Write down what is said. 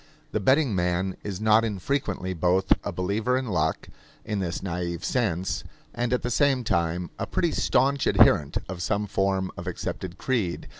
The betting man is not infrequently both a believer in luck, in this naive sense, and at the same time a pretty staunch adherent of some form of accepted creed.